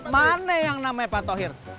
mana yang namanya pak tohir